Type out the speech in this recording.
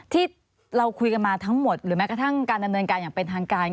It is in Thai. ที่เราคุยกันมาทั้งหมดหรือแม้กระทั่งการดำเนินการอย่างเป็นทางการ